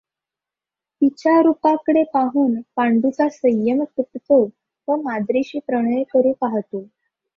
तिच्या रुपाकडे पाहून पांडूचा संयम तुटतो व माद्रीशी प्रणय करु पहातो.